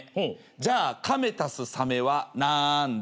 じゃあカメ＋サメはなんだ？